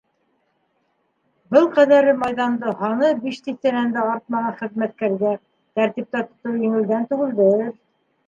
Был ҡәҙәре майҙанды һаны биш тиҫтәнән дә артмаған хеҙмәткәргә тәртиптә тотоу еңелдән түгелдер?